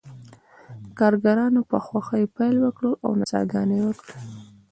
کارګرانو په خوښۍ پیل وکړ او نڅاګانې یې وکړې